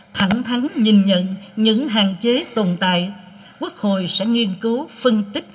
thẳng thắng nhìn nhận những hạn chế tồn tại quốc hội sẽ nghiên cứu phân tích